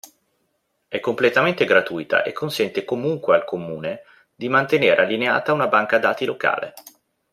È completamente gratuita e consente comunque al Comune, di mantenere allineata una banca dati locale.